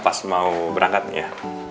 pas mau berangkat ya